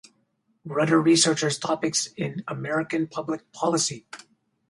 Rudder researches topics in American public policy.